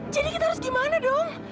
jadi kita harus gimana dong